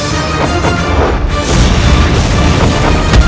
kita berada di kertas serta